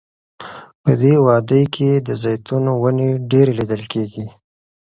په دې وادۍ کې د زیتونو ونې ډیرې لیدل کیږي.